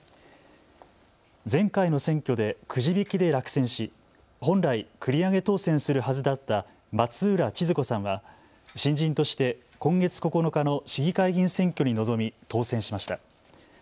前回の選挙でくじ引きで落選し本来、繰り上げ当選するはずだった松浦千鶴子さんは新人として今月９日の市議会議員選挙に臨み、当選しました。